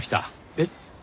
えっ？